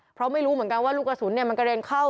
เพราะไม่รู้เหมือนกันว่าลูกกระสุนมันกระเด็นเข้า